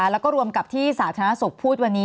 แล้วก็รวมกับที่สาธารณสุขพูดวันนี้